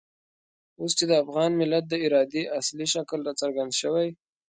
اوس چې د افغان ملت د ارادې اصلي شکل را څرګند شوی.